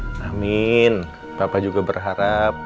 mbak andin papa juga berharap